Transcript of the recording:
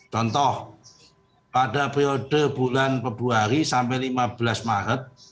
contoh pada periode bulan februari sampai lima belas maret